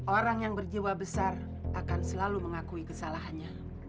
orang yang berjiwa besar akan selalu mengakui kesalahannya